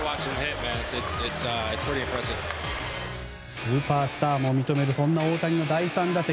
スーパースターも認める大谷の第３打席。